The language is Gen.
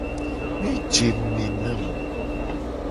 Ne je ngku me nam.